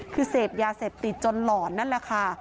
คือเสพยาเสพติดจนหลอนนั่นแหละค่ะ